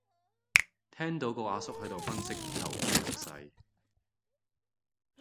聽到個阿叔喺度分析投資局勢